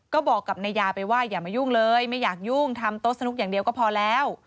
ก็บอกกับนายยาไปว่าอย่ามายุ่งเลยไม่อยากยุ่งทำโต๊ะสนุกอย่างเดียวก็พอแล้ว